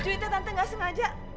pak juwita tante gak sengaja